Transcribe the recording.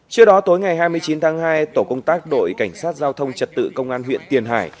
trước đó tối ngày hai mươi chín tháng hai tổ công tác đội cảnh sát giao thông trật tự công an huyện tiền hải